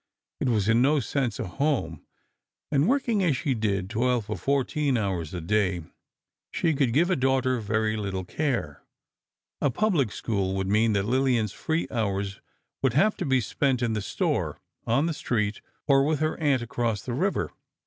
It was in no sense a home, and working as she did, twelve or fourteen hours a day, she could give a daughter very little care. A public school would mean that Lillian's free hours would have to be spent in the store, on the street, or with her aunt across the river.